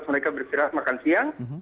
mereka bersirah makan siang